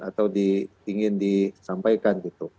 atau ingin disampaikan